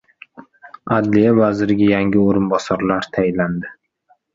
Adliya vaziriga yangi o‘rinbosarlar tayinlandi